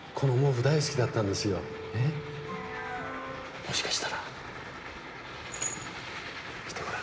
もしかしたら来てごらん。